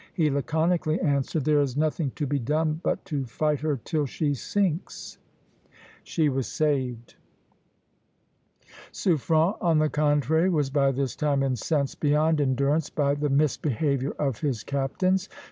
He laconically answered, 'there is nothing to be done but to fight her till she sinks.'" She was saved. Suffren, on the contrary, was by this time incensed beyond endurance by the misbehavior of his captains.